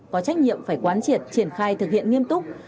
có trách nhiệm phải quán triệt triển khai thực hiện nghiêm túc